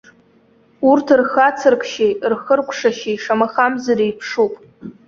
Урҭ рхацыркшьеи рхыркәшашьеи шамахамзар еиԥшуп.